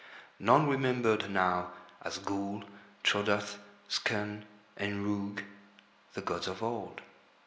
None remembered now Asgool, Trodath, Skun, and Rhoog, the gods of Old.